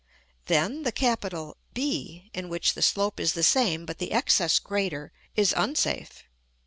Then the capital b, in which the slope is the same but the excess greater, is unsafe.